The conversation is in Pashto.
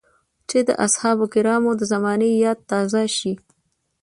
چې د اصحابو کرامو د زمانې ياد تازه شي.